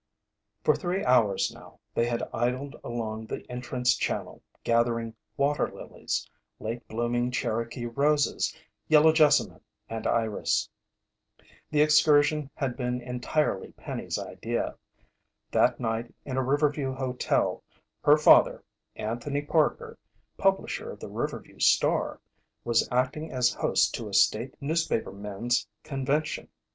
For three hours now, they had idled along the entrance channel, gathering water lilies, late blooming Cherokee roses, yellow jessamine, and iris. The excursion had been entirely Penny's idea. That night in a Riverview hotel, her father, Anthony Parker, publisher of the Riverview Star, was acting as host to a state newspapermen's convention.